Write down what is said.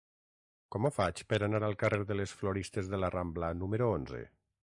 Com ho faig per anar al carrer de les Floristes de la Rambla número onze?